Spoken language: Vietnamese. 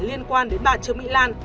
liên quan đến bà trương mỹ lan